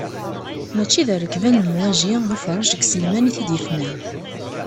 Mačči d rrekba n lemwaji, d ufarreǧ deg yiselman i t-id-yefnan.